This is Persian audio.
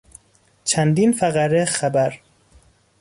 چندین فقره خبر